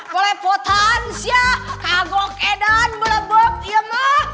kolepotan siap kago keedan belebuk iya mah